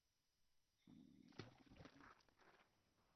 ربع خلا من بدره مغناه